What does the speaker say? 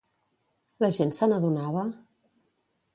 La gent se n'adonava?